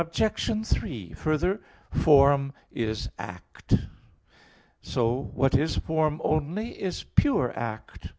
3: Further, form is act. So what is form only is pure act.